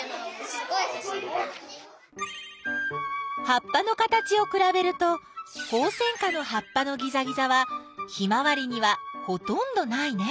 葉っぱの形をくらべるとホウセンカの葉っぱのギザギザはヒマワリにはほとんどないね。